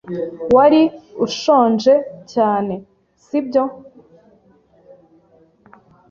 Wari ushonje cyane, si byo?